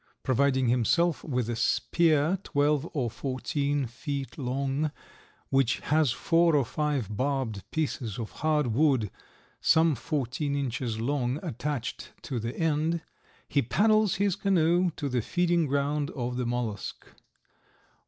Providing himself with a spear twelve or fourteen feet long which has four or five barbed pieces of hard wood some fourteen inches long attached to the end, he paddles his canoe to the feeding ground of the mollusk.